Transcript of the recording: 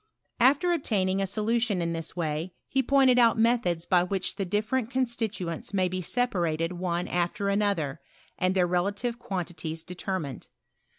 After obtaining a solution in this way he pointed out methods by which the different con stituents may be separated one after another, and their relative quantities determined.